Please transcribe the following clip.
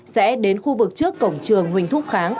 sẽ đến khu vực trước cổng trường huỳnh thúc kháng